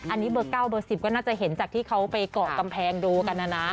อันนี้เบอร์๙เบอร์๑๐ก็น่าจะเห็นจากที่เขาไปเกาะกำแพงดูกันนะนะ